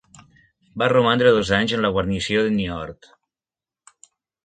Va romandre dos anys en la guarnició de Niort.